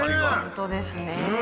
本当ですね。